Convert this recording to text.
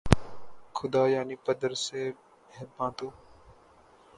خدا‘ یعنی پدر سے مہرباں تر